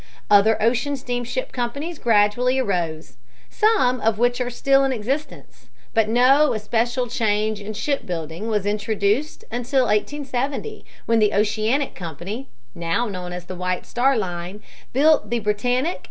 Other ocean steamship companies gradually arose, some of which are still in existence. But no especial change in ship building was introduced until 1870, when the Oceanic Company, now known as the White Star Line, built the Britannic and Germanic.